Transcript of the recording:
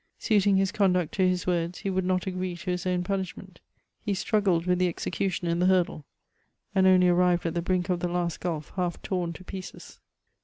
Suiting his conduct to his words, he would not agree to ins own punif^ment ; he struggled with the executioner in the hurdle, and only arriyed at tbe brink of the last gulf half torn to pieces.